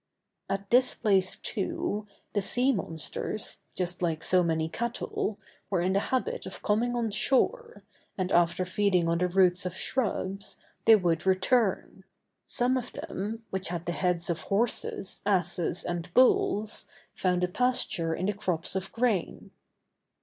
At this place, too, the sea monsters, just like so many cattle, were in the habit of coming on shore, and, after feeding on the roots of shrubs, they would return; some of them, which had the heads of horses, asses, and bulls, found a pasture in the crops of grain.